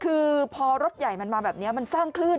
คือพอรถใหญ่มันมาแบบนี้มันสร้างคลื่น